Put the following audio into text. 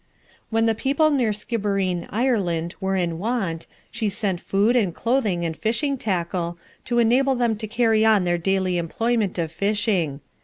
When the people near Skibbereen, Ireland, were in want, she sent food, and clothing, and fishing tackle, to enable them to carry on their daily employment of fishing.